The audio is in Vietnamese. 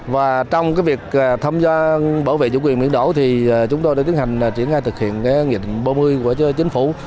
và trong việc tham gia bảo vệ chủ quyền biển đảo thì chúng tôi đã tiến hành triển khai thực hiện nghị định bốn mươi của chính phủ